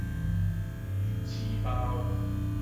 魚翅包